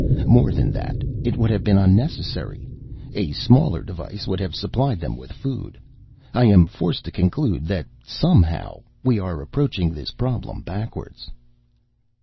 More than that, it would have been unnecessary. A smaller device would have supplied them with food. I am forced to conclude that somehow we are approaching this problem backwards."